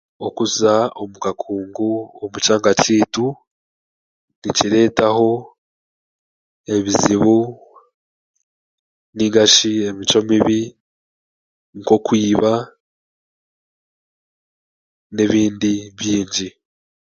Okuza omu kakungu omu kyanga kyaitu nikireetaho ebizibu naingashi emicwe mibi nk'okwiba n'ebindi bingi